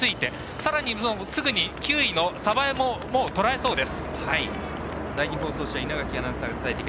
さらに、すぐに９位の鯖江ももうとらえそうです。